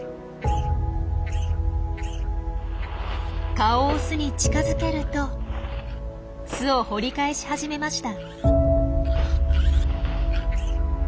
顔を巣に近づけると巣を掘り返し始めました。